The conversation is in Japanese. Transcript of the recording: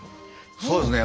そうですね。